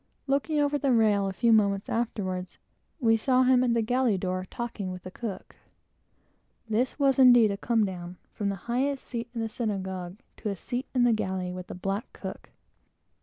Looking over the rail a few moments afterward, we saw him at the galley door talking to the cook. This was a great comedown, from the highest seat in the synagogue to a seat in the galley with the black cook.